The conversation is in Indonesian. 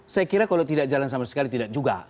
saya kira kalau tidak jalan sama sekali tidak juga